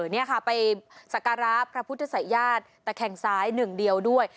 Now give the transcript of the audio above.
นี่ค่ะไปสักการะพระพุทธศัยญาติแต่แข่งซ้ายหนึ่งเดียวด้วย